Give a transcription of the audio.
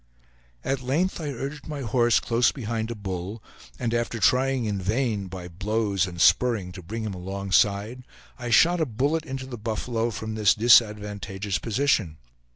At length I urged my horse close behind a bull, and after trying in vain, by blows and spurring, to bring him alongside, I shot a bullet into the buffalo from this disadvantageous position.